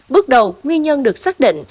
bước đầu nguyên nhân được xác định